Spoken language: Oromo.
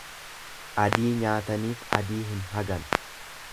Adii nyaataniif adii hin hagan.